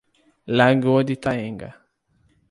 Lagoa de Itaenga